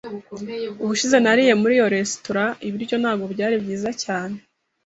Ubushize nariye muri iyo resitora ibiryo ntabwo byari byiza cyane.